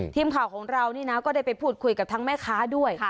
ทีมข่าวของเรานี่นะก็ได้ไปพูดคุยกับทั้งแม่ค้าด้วย